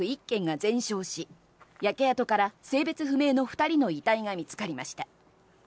１軒が全焼し焼け跡から性別不明の２人の遺体が見つかりました。